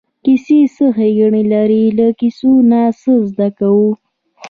کیسې څه ښېګڼې لري له کیسو نه څه زده کوو.